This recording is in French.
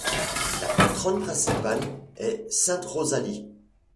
La patronne principale est sainte Rosalie.